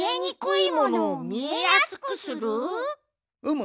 うむ。